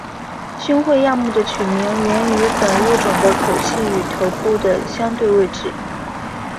胸喙亚目的取名源于本物种的口器与头部的相对位置。